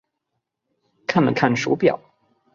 看了看手表